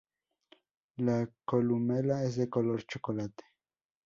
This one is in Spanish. La columela es de color chocolate.